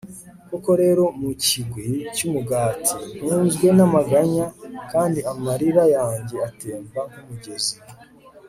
koko rero, mu kigwi cy'umugati, ntunzwe n'amaganya, kandi amarira yanjye atemba nk'umugezi